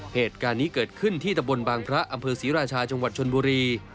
เหตุการณ์นี้เกิดขึ้นที่ตะบนบางพระอำเภอศรีราชาจังหวัดชนบุรี